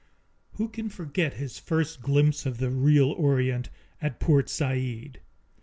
Who can forget his first glimpse of the real Orient, at Port Said?